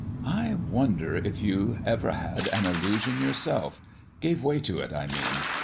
"I wonder if you ever had an illusion yourself gave way to it, I mean.